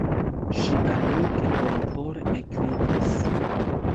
Ŝi amike, bonkore ekridis.